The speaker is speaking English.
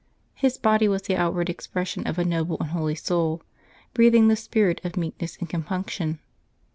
His body was the outward expression of a noble and holy soul, breatiiing the spirit of meekness and compunction.